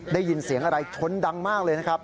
ได้ยินเสียงอะไรชนดังมากเลยนะครับ